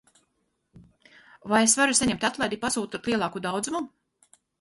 Vai es varu saņemt atlaidi, pasūtot lielāku daudzumu?